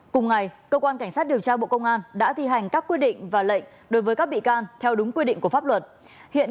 cùng ngày cơ quan cảnh sát điều tra bộ công an đã thi hành các quy định và lệnh nêu trên